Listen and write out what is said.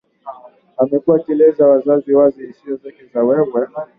amekuwa akielezea wazi wazi hisia zake juu ya maswala ya itikadi kali